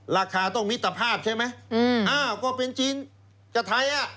ราคาต้องมิตรภาพใช่ไหมอ้าวก็เป็นจีนกับไทยอ่ะ